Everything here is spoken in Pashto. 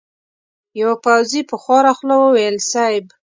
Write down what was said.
يوه پوځي په خواره خوله وويل: صېب!